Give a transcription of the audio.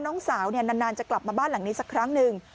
น้องสาวนานจะกลับมาบ้านหลังนี้สักครั้งหนึ่ง